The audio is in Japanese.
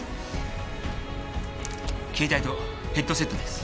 携帯とヘッドセットです。